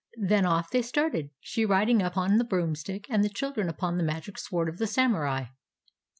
Then off they started, she riding upon the broomstick, and the children upon the magic sword of the Samurai.